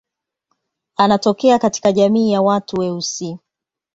Anatokea katika jamii ya watu weusi.